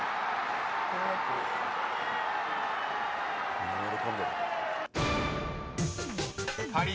みんな喜んでる。